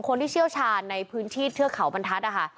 เชี่ยวชาญในพื้นที่เทือกเขาบรรทัศน์นะคะ